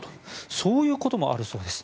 そういうこともあるそうです。